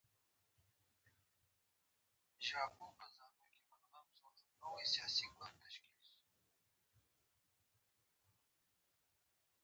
بابلیان اصول د سلسله مراتبو پر اساس عملي کول.